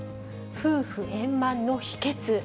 夫婦円満の秘けつ。